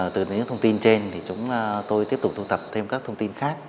từ những thông tin trên thì chúng tôi tiếp tục thu thập thêm các thông tin khác